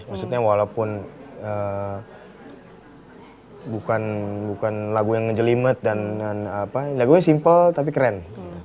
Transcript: maksudnya walaupun bukan lagu yang ngejelimet dan lagunya simple tapi keren